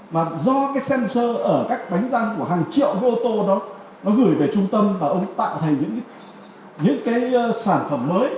mà do cái sensor ở các đánh dăng của hàng triệu motor đó nó gửi về trung tâm và ông tạo thành những sản phẩm mới